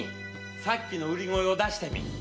さっきの売り声を出してみい。